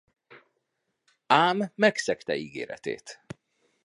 Ám megszegte ígéretét.